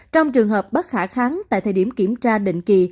trong trường hợp bất khả kháng tại thời điểm kiểm tra định kỳ